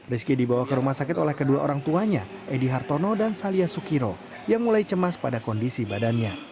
rizky dibawa ke rumah sakit oleh kedua orang tuanya edy hartono dan salia sukiro yang mulai cemas pada kondisi badannya